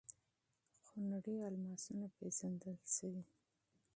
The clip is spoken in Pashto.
خونړي الماسونه پېژندل شوي.